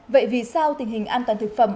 vậy vì sao tình hình an toàn thực phẩm